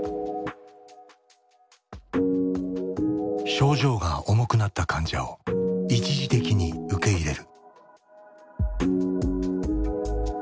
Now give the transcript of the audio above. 症状が重くなった患者を一時的に受け入れる。